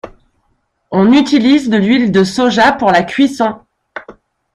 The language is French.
On utilise de l'huile de soja pour la cuisson.